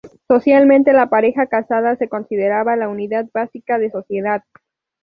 Socialmente, la pareja casada se consideraba la unidad básica de sociedad.